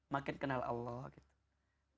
makin kenal allah gitu